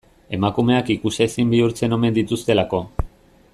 Emakumeak ikusezin bihurtzen omen dituztelako.